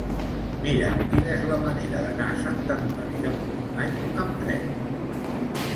Mira'm quina és la millor manera d'anar a Sant Antoni de Portmany amb tren.